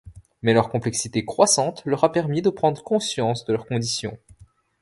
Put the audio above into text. Mais leur complexité croissante leur a permis de prendre conscience de leur condition.